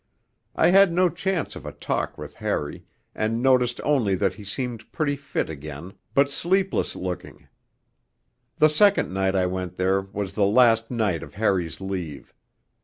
I had no chance of a talk with Harry, and noticed only that he seemed pretty fit again but sleepless looking. The second night I went there was the last night of Harry's leave.